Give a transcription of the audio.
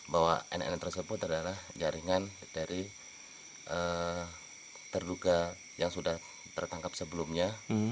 bahwa nn tersebut adalah jaringan dari terduga yang sudah tertangkap sebelumnya